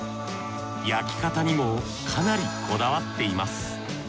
焼き方にもかなりこだわっています。